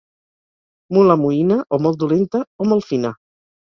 Mula moïna, o molt dolenta o molt fina.